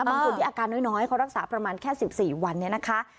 บางคนที่อาการน้อยเขารักษาประมาณแค่๑๔วันนี้นะคะ